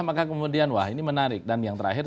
maka kemudian wah ini menarik dan yang terakhir